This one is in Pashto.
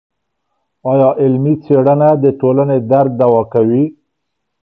ايا علمي څېړنه د ټولني درد دوا کوي؟